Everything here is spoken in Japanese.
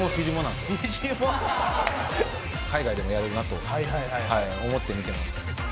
海外でもやれるなと思って見てます。